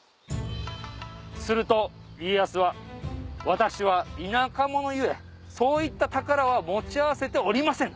すると家康は「私は田舎者故そういった宝は持ち合わせておりません。